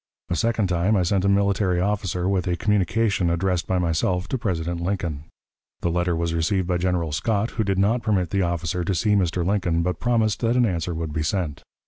A second time I sent a military officer with a communication addressed by myself to President Lincoln. The letter was received by General Scott, who did not permit the officer to see Mr. Lincoln, but promised that an answer would be sent.